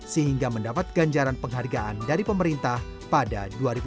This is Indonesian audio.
sehingga mendapat ganjaran penghargaan dari pemerintah pada dua ribu dua puluh